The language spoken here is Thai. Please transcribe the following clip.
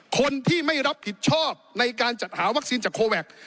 คนที่ไม่รับผิดชอบในการจัดหาวัคซีนจากโคแวค